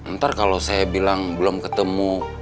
ntar kalau saya bilang belum ketemu